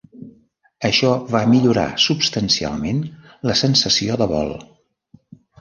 Això va millorar substancialment la sensació de vol.